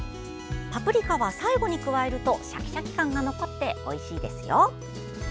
パプリカは最後に加えるとシャキシャキ感が残っておいしいですよ。